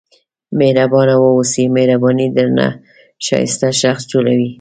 مهربانه واوسئ مهرباني درنه ښایسته شخص جوړوي.